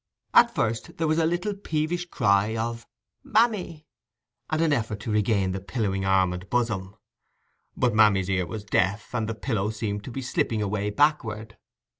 At first there was a little peevish cry of "mammy", and an effort to regain the pillowing arm and bosom; but mammy's ear was deaf, and the pillow seemed to be slipping away backward.